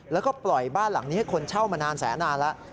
แล้วก็ปล่อยบ้านหลังนี้ให้คนเช่ามานานแสนนานแล้ว